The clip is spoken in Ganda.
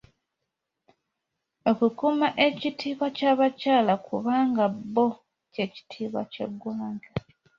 Okukuuma ekitiibwa ky’abakyala kubanga bo ky’ekitiibwa ky’eggwanga.